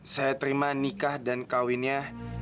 saya terima nikah dan kawinnya